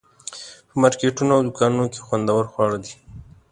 په مارکیټونو او دوکانونو کې خوندور خواړه دي.